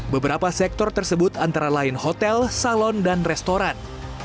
beberapa sektor tersebut antara lain hotel salon dan restoran